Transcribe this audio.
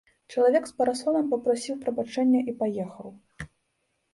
Чалавек з парасонам папрасіў прабачэння і паехаў.